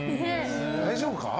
大丈夫か？